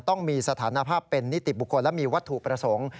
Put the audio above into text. ต้องมีสถานภาพเป็นนิติบุคคลและมีวัตถุประสงค์